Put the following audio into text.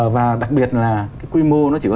và đặc biệt là cái quy mô nó chỉ có